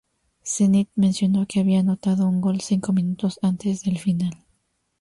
Zenit mencionó que había anotado un gol cinco minutos antes del final.